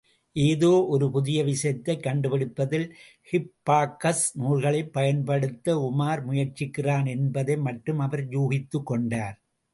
ஏதோ ஒரு புதிய விஷயத்தைக் கண்டுபிடிப்பதில், ஹிப்பார்க்கஸ் நூல்களைப் பயன்படுத்த உமார் முயற்சிக்கிறான் என்பதை மட்டும் அவர் யூகித்துக்கொண்டார்.